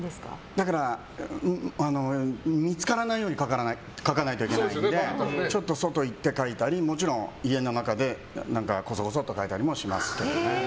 だから、見つからないように書かないといけないのでちょっと外行って書いたりもちろん家の中でこそこそっと書いたりもしますけど。